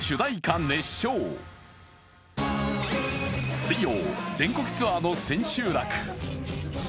水曜、全国ツアーの千秋楽。